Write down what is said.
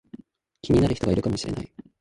気になる人がいるかもしれない